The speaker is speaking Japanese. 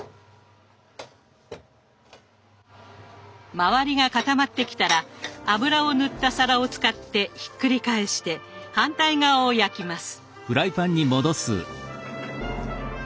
周りが固まってきたら油を塗った皿を使ってひっくり返して反対側を焼きます。